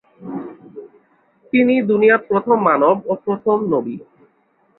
তিনি দুনিয়ার প্রথম মানব ও প্রথম নবী।